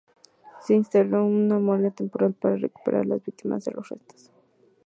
Se instaló una morgue temporal para recuperar a las víctimas de los restos.